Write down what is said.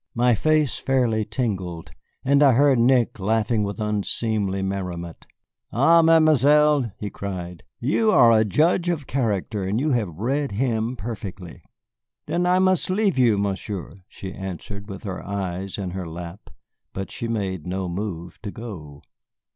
My face fairly tingled, and I heard Nick laughing with unseemly merriment. "Ah, Mademoiselle," he cried, "you are a judge of character, and you have read him perfectly." "Then I must leave you, Messieurs," she answered, with her eyes in her lap. But she made no move to go.